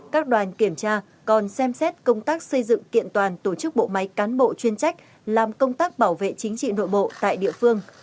các đoàn kiểm tra còn xem xét công tác xây dựng kiện toàn tổ chức bộ máy cán bộ chuyên trách làm công tác bảo vệ chính trị nội bộ tại địa phương